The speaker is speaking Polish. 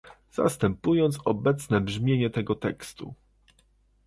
zastępując obecne brzmienie tego tekstu